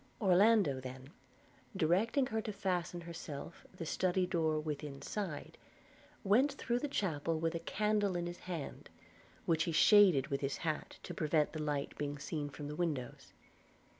Orlando then, directing her to fasten herself the study door within side, went through the chapel with a candle in his hand, which he shaded with his hat to prevent the light being seen from the windows.